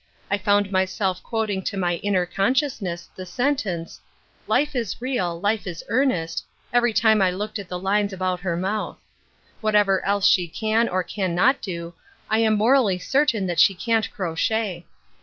I found myself quoting to my ' inner consciousness ' the sentence :' Life is real, life is earnest,' every time I looked at the linea about her mouth. Whatever else she can or can not do, I am morally certain that she can't crochet.